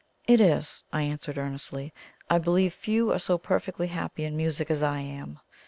"It is," I answered earnestly. "I believe few are so perfectly happy in music as I am."